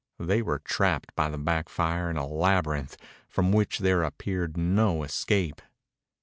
They were trapped by the back fire in a labyrinth from which there appeared no escape.